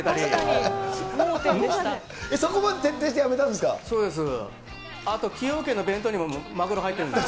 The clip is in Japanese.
そこまで徹底してやめたんですか。